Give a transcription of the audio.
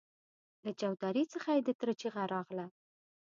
له چوترې څخه يې د تره چيغه راغله!